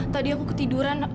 tadi aku ketiduran